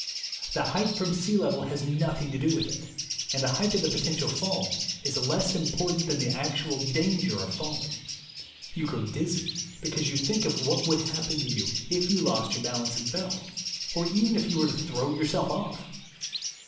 The height from sea level has nothing to do with it; and the height of the potential fall is less important than the actual danger of falling. You grow dizzy because you think of what would happen to you if you lost your balance and fell, or even if you were to throw yourself off.